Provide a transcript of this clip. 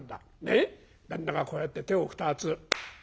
旦那がこうやって手を２つ。